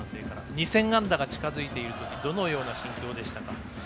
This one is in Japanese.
２０００安打が近づいている時どのような心境でしたか？